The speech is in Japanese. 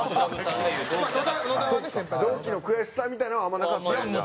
同期の悔しさみたいなのはあんまなかったんやじゃあ。